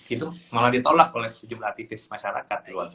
itu malah ditolak oleh sejumlah aktivis masyarakat di luar sana